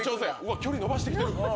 距離伸ばしてきてる！